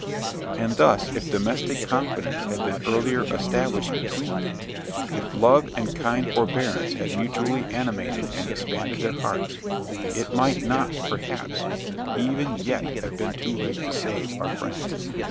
And thus if domestic confidence had been earlier established between them, if love and kind forbearance had mutually animated and expanded their hearts, it might not, perhaps, even yet have been too late to save our friend.